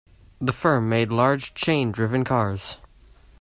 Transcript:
The firm made large chain-driven cars.